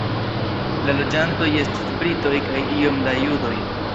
La loĝantoj estis britoj kaj iom da judoj.